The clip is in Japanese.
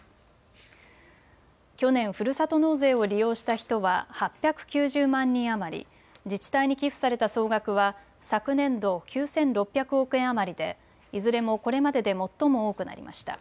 去年、ふるさと納税を利用した人は８９０万人余り、自治体に寄付された総額は昨年度９６００億円余りでいずれもこれまでで最も多くなりました。